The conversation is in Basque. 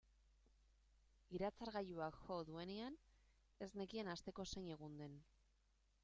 Iratzargailuak jo duenean ez nekien asteko zein egun den.